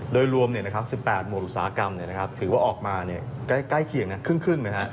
โดยรวม๑๘หมวดอุตสาหกรรมถือว่าออกมาใกล้เคียงครึ่ง